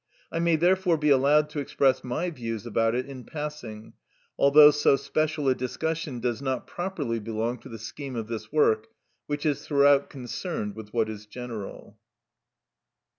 I may therefore be allowed to express my views about it in passing, although so special a discussion does not properly belong to the scheme of this work, which is throughout concerned with what is general.